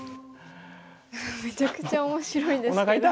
めちゃくちゃ面白いですけど。